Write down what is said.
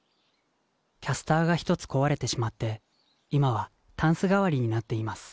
キャスターが１つ壊れてしまって今はタンス代わりになっています。